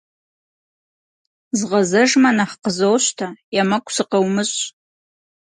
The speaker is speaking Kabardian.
Згъэзэжмэ, нэхъ къызощтэ, емыкӀу сыкъыумыщӀ.